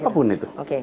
siapa pun itu